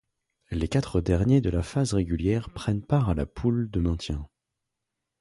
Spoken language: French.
Les quatre derniers de la phase régulière prennent part à la poule de maintien.